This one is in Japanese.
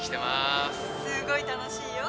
すごい楽しいよ。